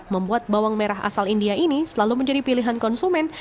membuat bawang merah asal india ini selalu menjadi pilihan konsumen